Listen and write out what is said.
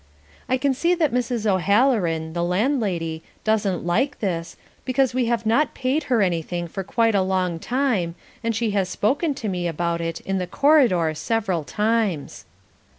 I can see that Mrs. O'Halloran, the landlady, doesn't like this, because we have not paid her anything for quite a long time, and she has spoken to me about it in the corridor several times.